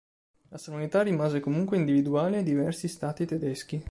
La sovranità rimase comunque individuale ai diversi stati tedeschi.